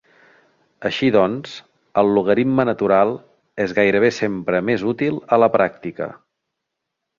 Així doncs, el logaritme natural és gairebé sempre més útil a la pràctica.